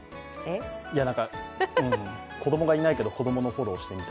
子供がいないけど、子供のフォローをしてみた。